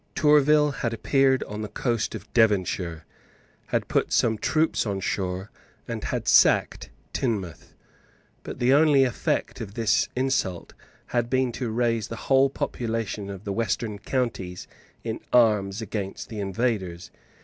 Tourville had appeared on the coast of Devonshire, had put some troops on shore, and had sacked Teignmouth; but the only effect of this insult had been to raise the whole population of the western counties in arms against the invaders.